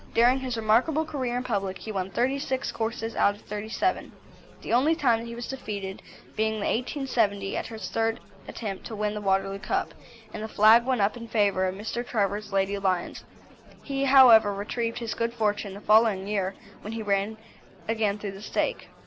During his remarkable career in public he won thirty six courses out of thirty seven, the only time that he was defeated being the 1870 at his third attempt to win the Waterloo Cup, and the flag went up in favour of Mr. Trevor's Lady Lyons. He, however, retrieved his good fortune the following year, when he again ran through the stake.